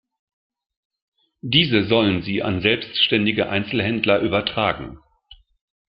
Diese sollen sie an selbstständige Einzelhändler übertragen.